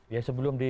ya sebelum di